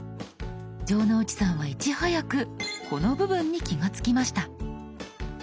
城之内さんはいち早くこの部分に気が付きました。